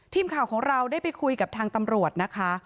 ทีมข่าวของเราได้ไปคุยกับทางตำรวจนะคะ